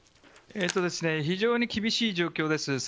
非常に厳しい状況です。